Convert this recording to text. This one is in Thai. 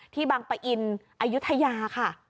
บางปะอินอายุทยาค่ะ